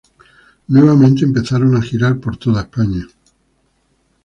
Nuevamente empezaron a girar por toda España.